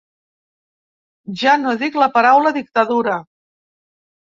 Ja no dic la paraula dictadura.